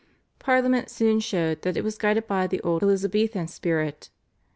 Parliament soon showed that it was guided by the old Elizabethan spirit.